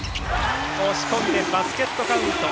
押し込んでバスケットカウント。